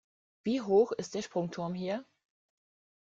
Wie hoch ist der Sprungturm hier?